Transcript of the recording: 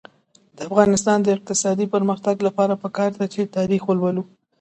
د افغانستان د اقتصادي پرمختګ لپاره پکار ده چې تاریخ ولولو.